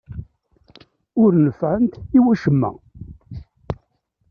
Ur nfiɛent i wacemma.